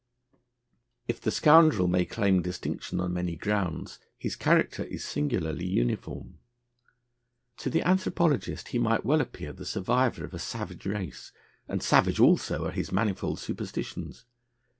If the Scoundrel may claim distinction on many grounds, his character is singularly uniform. To the anthropologist he might well appear the survival of a savage race, and savage also are his manifold superstitions.